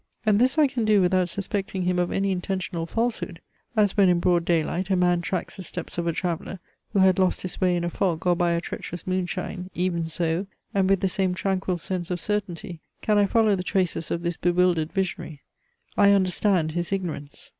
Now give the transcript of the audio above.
And this I can do without suspecting him of any intentional falsehood. As when in broad day light a man tracks the steps of a traveller, who had lost his way in a fog or by a treacherous moonshine, even so, and with the same tranquil sense of certainty, can I follow the traces of this bewildered visionary. I understand his ignorance.